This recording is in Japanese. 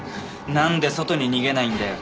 なんで外に逃げないんだよ。